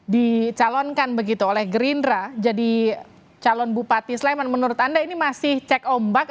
dicalonkan begitu oleh gerindra jadi calon bupati sleman menurut anda ini masih cek ombak